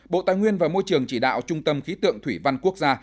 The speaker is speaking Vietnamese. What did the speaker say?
bộ tài nguyên và môi trường chỉ đạo trung tâm khí tượng thủy văn quốc gia